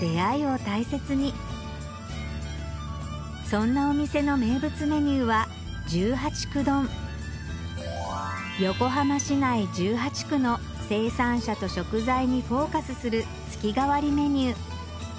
そんなお店の名物メニューは１８区丼横浜市内１８区の生産者と食材にフォーカスする月替わりメニュー